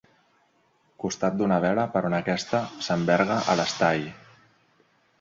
Costat d'una vela per on aquesta s'enverga a l'estai.